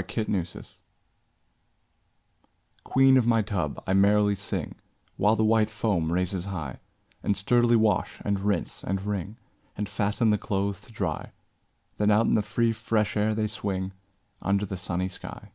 8 Autoplay Queen of my tub, I merrily sing, While the white foam raises high, And sturdily wash, and rinse, and wring, And fasten the clothes to dry; Then out in the free fresh air they swing, Under the sunny sky.